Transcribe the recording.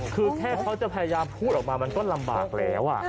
คือแค่เขาจะพยายามพูดออกมามันก็ลำบากแล้ว